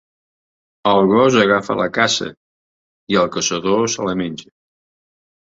El gos agafa la caça i el caçador se la menja.